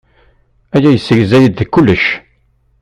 Aya yessegzay-d kullec.